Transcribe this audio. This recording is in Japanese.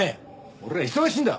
俺は忙しいんだ！